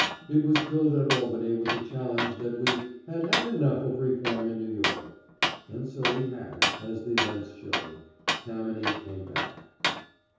It was killed at Albany with the challenge that we "had had enough of reform in New York." And so we had, as the events showed. Tammany came back.